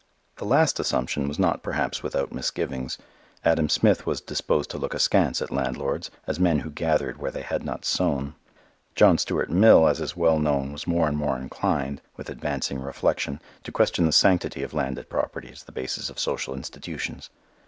The last assumption was not perhaps without misgivings: Adam Smith was disposed to look askance at landlords as men who gathered where they had not sown. John Stuart Mill, as is well known, was more and more inclined, with advancing reflection, to question the sanctity of landed property as the basis of social institutions.